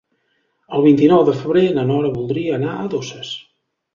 El vint-i-nou de febrer na Nora voldria anar a Toses.